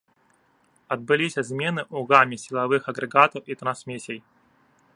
Адбыліся змены ў гаме сілавых агрэгатаў і трансмісій.